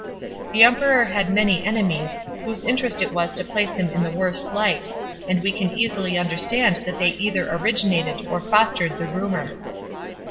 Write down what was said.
The Emperor had many enemies, whose interest it was to place him in the worst light, and we can easily understand that they either originated or fostered the rumour.